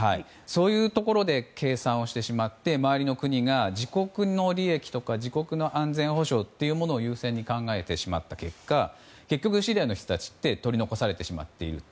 そういうところで計算をしてしまって周りの国が自国の権利や自国の安全保障を優先に考えてしまった結果結局、シリアの人たちは取り残されてしまっている。